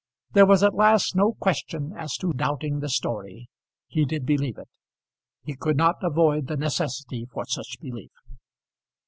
There was at last no question as to doubting the story. He did believe it. He could not avoid the necessity for such belief.